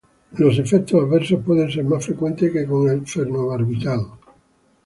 Los efectos adversos pueden ser más frecuentes que con el fenobarbital.